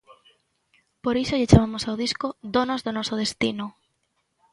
Por iso lle chamamos ao disco Donos do noso destino.